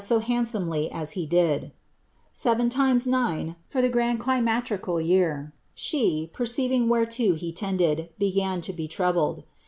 145 >t SO handsomely as he did — seven times nine for the grand climacterical year, slie, perceiving whereto he tended, began to be troubled.